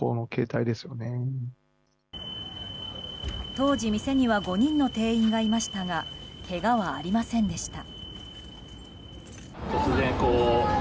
当時、店には５人の店員がいましたがけがはありませんでした。